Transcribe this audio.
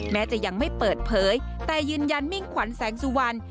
แม้จะยังไม่เปิดเผยแต่ยืนยันมิ่งขวัญแสงสุวรรณ